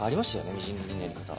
みじん切りのやり方。